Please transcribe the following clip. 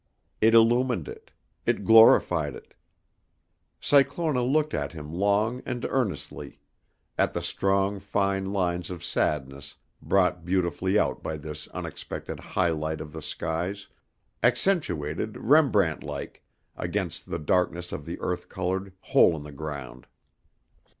It illumined it. It glorified it. Cyclona looked at him long and earnestly, at the strong, fine lines of sadness brought beautifully out by this unexpected high light of the skies, accentuated Rembrandt like, against the darkness of the earth colored hole in the ground.